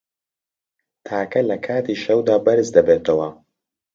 تاکە له کاتی شەودا بەرز دەبێتەوه